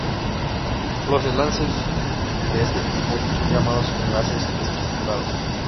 Los enlaces de este tipo son llamados enlaces estructurados.